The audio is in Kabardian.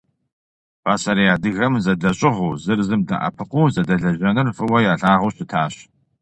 Пасэрей адыгэм зэдэщӀыгъуу, зыр зым дэӀэпыкъуу зэдэлэжьэныр фӀыуэ ялъагъуу щытащ.